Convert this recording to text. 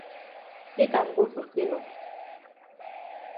Take am go for tailor.